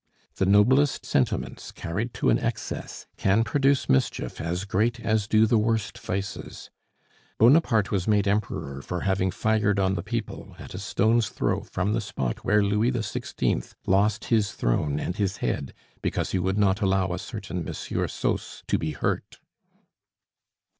The noblest sentiments, carried to an excess, can produce mischief as great as do the worst vices. Bonaparte was made Emperor for having fired on the people, at a stone's throw from the spot where Louis XVI. lost his throne and his head because he would not allow a certain Monsieur Sauce to be hurt.